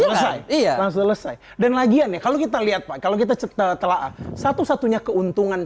selesai dan lagian ya kalau kita lihat pak kalau kita telah satu satunya keuntungan